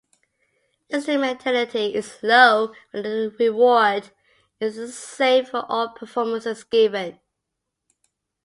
Instrumentality is low when the reward is the same for all performances given.